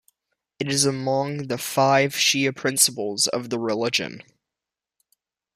It is among the five Shia Principles of the Religion.